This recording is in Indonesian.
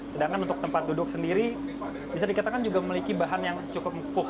sedangkan untuk tempat duduk sendiri bisa dikatakan juga memiliki bahan yang cukup empuh